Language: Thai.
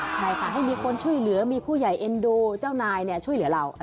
ใช่ค่ะให้มีคนช่วยเหลือมีผู้ใหญ่เอ็นดูเจ้านายช่วยเหลือเรา